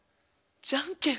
じゃんけん？